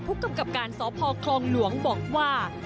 ผู้กำกับการสพคลองหลวงบอกว่า